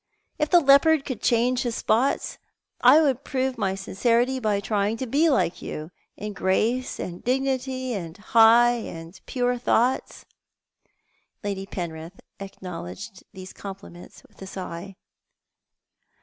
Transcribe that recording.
If the leopard could change his spots I would prove my sincerity by trying to be like you — in grace and dignity and high and pure thoughts " Lady Penrith acknowledged these compliments with a sigh.